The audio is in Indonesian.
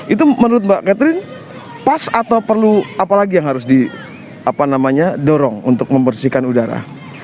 itu menurut mbak catherine pas atau perlu apa lagi yang harus di dorong untuk membersihkan udara